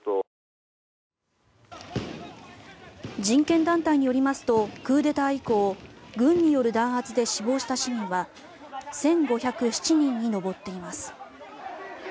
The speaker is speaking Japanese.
人権団体によりますとクーデター以降軍による弾圧で死亡した市民は１５０７人に上っています。